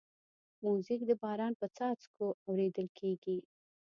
موزیک د باران په څاڅو کې اورېدل کېږي.